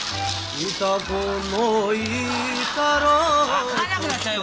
分かんなくなっちゃうよ！